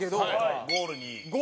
ゴールに。